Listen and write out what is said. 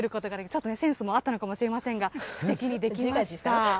ちょっとセンスもあったのかもしれませんが、すてきにできました。